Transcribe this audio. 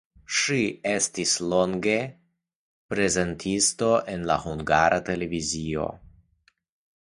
Ŝi estis longe prezentisto en la Hungara Televizio.